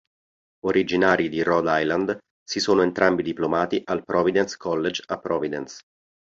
Originari di Rhode Island, si sono entrambi diplomati al Providence College a Providence.